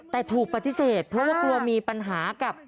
แต่ถูกปฏิเสธเพราะว่ากลัวมีปัญหากับ